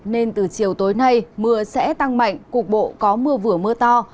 nên từ chiều tối nay mưa sẽ tăng mạnh cục bộ có mưa vừa mưa to